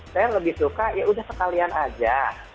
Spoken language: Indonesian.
saya lebih suka ya udah sekalian aja